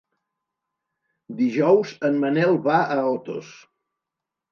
Dijous en Manel va a Otos.